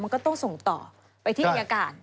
มันก็ต้องส่งต่อไปที่อายการ